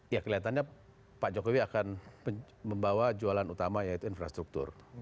ya kelihatannya pak jokowi akan membawa jualan utama yaitu infrastruktur